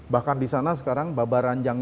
bahkan di sana sekarang babar anjang